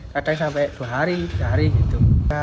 kadang sampai dua hari tiga hari gitu